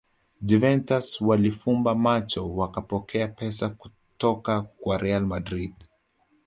Juventus walifumba macho wakapokea pesa kutokwa real madrid